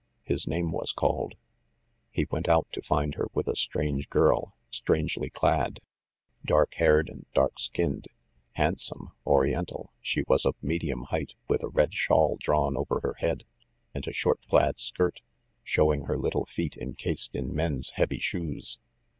His name was called. He went out, to find her with a strange girl, strangely clad. Dark haired and dark skinned, hand some, oriental, she was of medium height, with a red shawl drawn about her head, and a short plaid skirt, showing her little feet incased in men's heavy shoes.